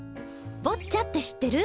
ボッチャって知ってる？